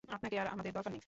আপনাকে আর আমাদের দরকার নেই।